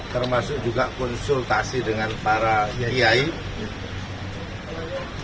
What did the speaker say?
termasuk juga konsultasi dengan para pihak pihak